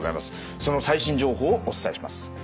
その最新情報をお伝えします。